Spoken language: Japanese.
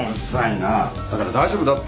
だから大丈夫だって。